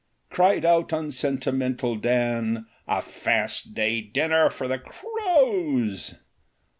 " Cried out unsentimental Dan ;' A Fast Day dinner for the crows